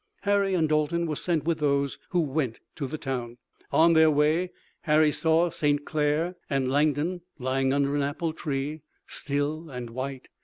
Harry and Dalton were sent with those who went to the town. On their way Harry saw St. Clair and Langdon lying under an apple tree, still and white.